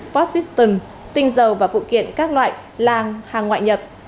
pop system tinh dầu và phụ kiện các loại làng hàng ngoại nhập